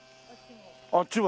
あっちも。